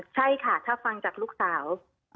ใช่ค่ะถ้าฟังจากลูกสาว